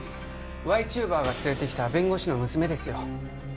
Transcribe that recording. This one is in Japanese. Ｙチューバーが連れてきた弁護士の娘ですよ